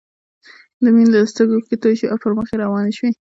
د مينې له سترګو اوښکې توې شوې او پر مخ يې روانې شوې